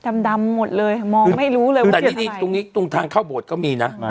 ดำดำหมดเลยมองไม่รู้เลยตรงทางเข้าโบดก็มีน่ะ